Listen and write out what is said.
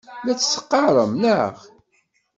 La tt-teqqarem, naɣ?